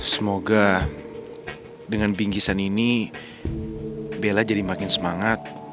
semoga dengan bingkisan ini bella jadi makin semangat